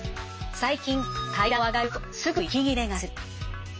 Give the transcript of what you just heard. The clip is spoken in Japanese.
最近階段を上がるとすぐ息切れがする。